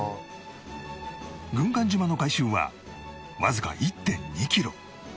軍艦島の外周はわずか １．２ キロ